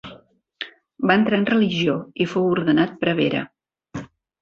Va entrar en religió i fou ordenat prevere.